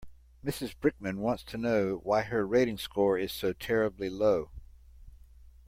Mrs Brickman wants to know why her rating score is so terribly low.